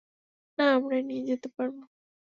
না আমরাই নিয়ে যেতে পারবো।